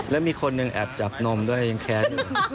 แล้วมีคนหนึ่งแอบจับนมด้วยยังแค้นอยู่